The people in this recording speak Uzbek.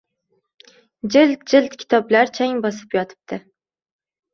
Jild-jild kitoblar chang bosib yotibdi.